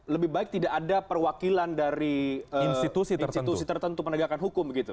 lebih baik tidak ada perwakilan dari institusi institusi tertentu penegakan hukum begitu